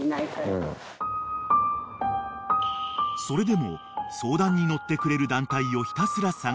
［それでも相談に乗ってくれる］